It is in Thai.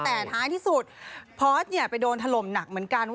แต่ท้ายที่สุดพอสไปโดนถล่มหนักเหมือนกัน